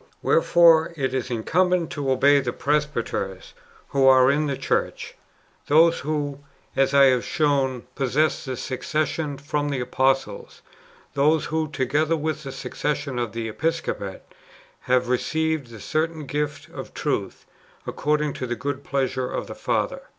Wherefore it is incumbent to obey the presbyters who are in the church — those who, as I have shown, possess the succession from the apostles ; those who, together with the succession of the episcopate, have received the certain gift of truth, according to the good pleasure of the Father.